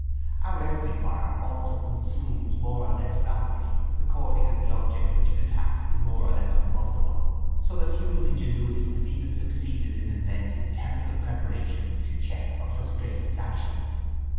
Our earthly fire also consumes more or less rapidly according as the object which it attacks is more or less combustible so that human ingenuity has even succeeded in inventing chemical preparations to check or frustrate its action.